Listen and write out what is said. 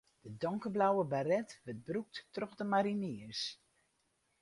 De donkerblauwe baret wurdt brûkt troch de mariniers.